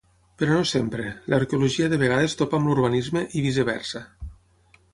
Però no sempre: l'arqueologia de vegades topa amb l'urbanisme, i viceversa.